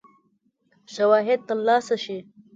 شواهد تر لاسه شي.